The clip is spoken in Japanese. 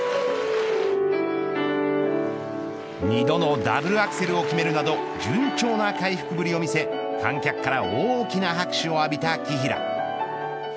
２度のダブルアクセルを決めるなど順調な回復ぶりを見せ観客から大きな拍手を浴びた紀平。